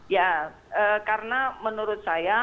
ya karena menurut saya